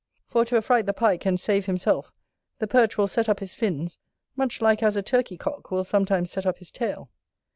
For to affright the Pike, and save himself, the Perch will set up his fins, much like as a turkey cock will sometimes set up his tail.